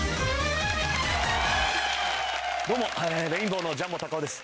どうもレインボーのジャンボたかおです。